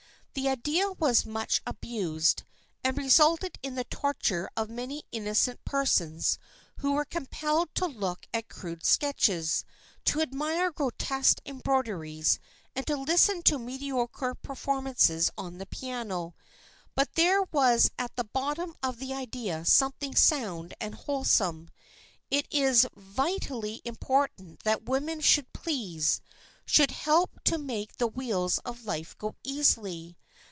The idea was much abused, and resulted in the torture of many innocent persons who were compelled to look at crude sketches, to admire grotesque embroideries and to listen to mediocre performances on the piano. But there was at the bottom of the idea something sound and wholesome. It is vitally important that women should please, should help to make the wheels of life go easily.